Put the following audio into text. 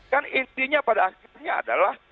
kan intinya pada akhirnya adalah